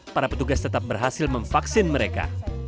para petugas tetap berhasil memvaksin mereka